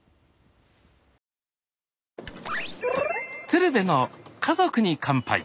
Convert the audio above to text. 「鶴瓶の家族に乾杯」。